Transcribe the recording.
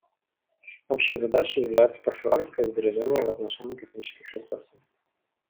Общей задачей является профилактика и сбережение в отношении космических ресурсов.